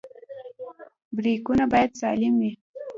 برېکونه باید سالم وي.